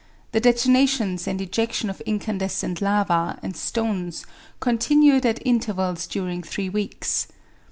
The detonations and ejection of incandescent lava and stones continued at intervals during three weeks.